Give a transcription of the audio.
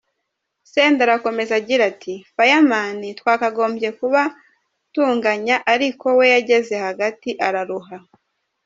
Senderi akomeza agira ati Fireman twakagombye kuba tunganya ariko we yageze hagati araruha.